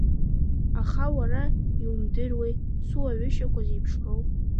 Аха уара иумдыруеи суаҩышьақәа зеиԥшроу.